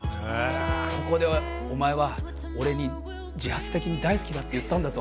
「ここでお前は俺に自発的に大好きだって言ったんだぞ」